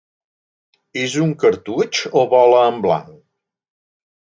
És un cartutx o bola en blanc?